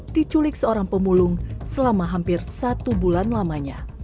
diculik seorang pemulung selama hampir satu bulan lamanya